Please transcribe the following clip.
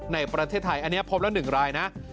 ในประเทศไทยอันนี้พบแล้ว๑รายนะ